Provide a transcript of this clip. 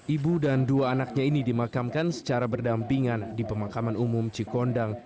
ibu dan dua anaknya ini dimakamkan secara berdampingan di pemakaman umum cikondang